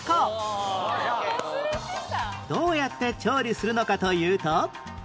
どうやって調理するのかというと